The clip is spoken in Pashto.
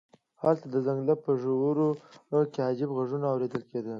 هلته د ځنګل په ژورو کې عجیب غږونه اوریدل کیږي